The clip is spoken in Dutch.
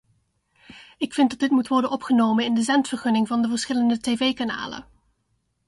Ik vind dat dit moet worden opgenomen in de zendvergunning van de verschillende tv-kanalen.